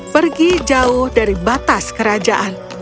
pergi jauh dari batas kerajaan